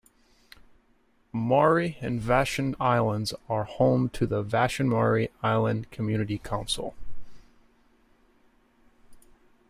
Maury and Vashon Islands are home to the "Vashon-Maury Island Community Council".